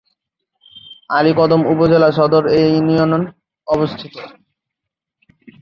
আলীকদম উপজেলা সদর এ ইউনিয়নে অবস্থিত।